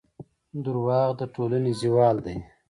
دروغ د ټولنې زوال دی.